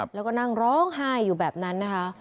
แล้วก็นั่งร้องไห้อยู่แบบนั้นนะคะ